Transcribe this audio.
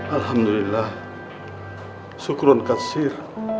alhamdulillah syukurkan katsir